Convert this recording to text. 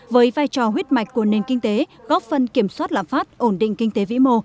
với vai trò huyết mạch của nền kinh tế góp phần kiểm soát lạm phát ổn định kinh tế vĩ mô